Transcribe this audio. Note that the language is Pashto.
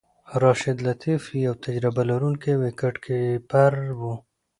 راشد لطيف یو تجربه لرونکی وکټ کیپر وو.